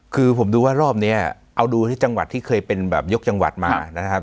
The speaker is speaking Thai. คือผมดูว่ารอบนี้เอาดูที่จังหวัดที่เคยเป็นแบบยกจังหวัดมานะครับ